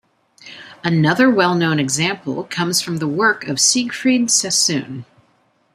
Another well-known example comes from the work of Siegfried Sassoon.